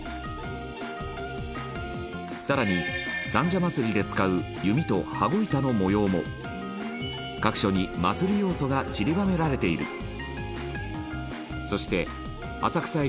更に、三社祭で使う弓と羽子板の模様も各所に、祭り要素がちりばめられているそして浅草駅